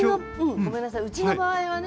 うちの場合はね